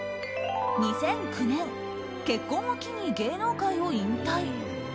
２００９年結婚を機に芸能界を引退。